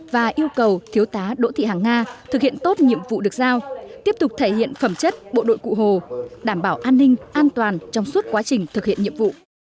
và yêu cầu thiếu tá đỗ thị hằng nga thực hiện tốt nhiệm vụ được giao tiếp tục thể hiện phẩm chất bộ đội cụ hồ đảm bảo an ninh an toàn trong suốt quá trình thực hiện nhiệm vụ